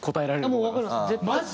もうわかります